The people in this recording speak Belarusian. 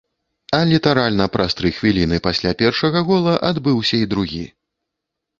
А літаральна праз тры хвіліны пасля першага гола адбыўся і другі.